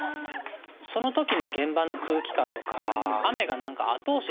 その時の現場の空気感とか。